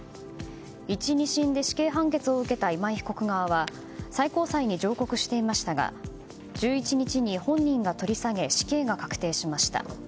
１、２審で死刑判決を受けた今井被告側は最高裁に上告していましたが１１日に本人が取り下げ死刑が確定しました。